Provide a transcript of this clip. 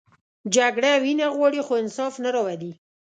جګړه وینه غواړي، خو انصاف نه راولي